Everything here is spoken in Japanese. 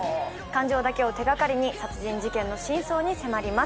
感情だけを手掛かりに殺人事件の真相に迫ります。